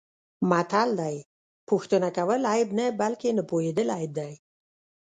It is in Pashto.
متل دی: پوښتنه کول عیب نه، بلکه نه پوهېدل عیب دی.